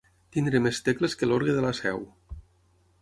Tenir més tecles que l'orgue de la Seu.